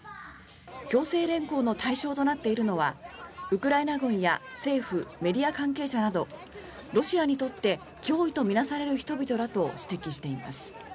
強制連行の対象となっているのはウクライナ軍や政府メディア関係者などロシアにとって脅威と見なされる人々だと指摘しています。